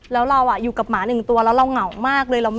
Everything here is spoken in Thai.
แล้วเราอยู่กับหมาหนึ่งตัวแล้วเราเหงามากเลย